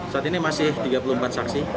saat ini masih tiga puluh empat saksi